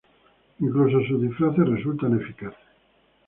Incluso sus disfraces resultan eficaces.